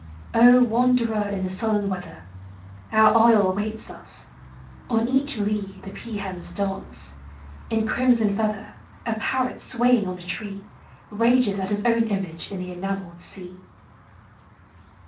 wanderer in the southern weather, Our isle awaits us; on each lea The peahens dance; in crimson feather A parrot swaying on a tree Rages at his own image in the enamelled sea.